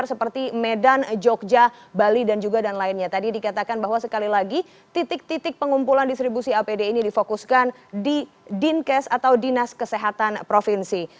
terima kasih selamat sore